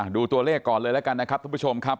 ดูตัวเลขก่อนเลยแล้วกันนะครับทุกผู้ชมครับ